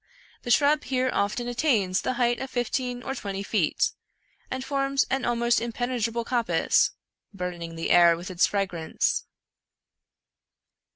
The shrub here often attains the height of fifteen or twenty feet, and forms an almost impenetrable coppice, burdening the air with its fragrance.